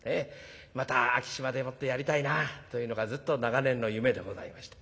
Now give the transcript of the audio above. また昭島でもってやりたいなというのがずっと長年の夢でございました。